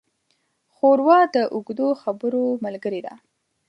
ښوروا د اوږدو خبرو ملګري ده.